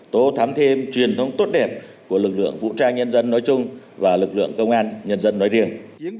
tô thắm thêm truyền thống tốt đẹp của lực lượng vũ trang nhân dân nói chung và lực lượng công an nhân dân nói riêng